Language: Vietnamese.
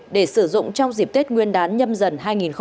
để sử dụng trong dịp tết nguyên đán nhâm dần hai nghìn hai mươi